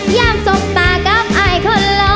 ย่ามสมตากับอายคนรอ